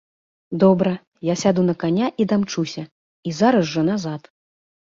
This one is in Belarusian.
Добра, я сяду на каня, і дамчуся, і зараз жа назад.